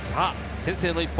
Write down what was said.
先制の一本。